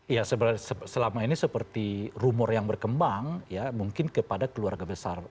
ya selama ini seperti rumor yang berkembang ya mungkin kepada keluarga besar